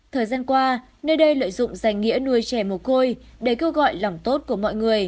thời gian qua nơi đây lợi dụng danh nghĩa nuôi trẻ mồ côi để kêu gọi lòng tốt của mọi người